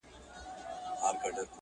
د هر وګړي زړه ټکور وو اوس به وي او کنه،